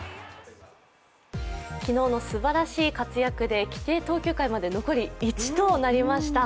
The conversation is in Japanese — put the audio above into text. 昨日のすばらしい活躍で規定投球回まで残り１となりました。